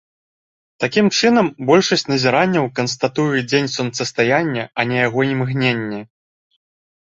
Такім чынам, большасць назіранняў канстатуе дзень сонцастаяння, а не яго імгненне.